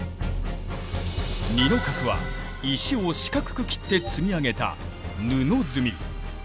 二の郭は石を四角く切って積み上げた布積み。